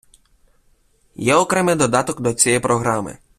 Є окремий додаток до цієї програми.